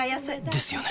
ですよね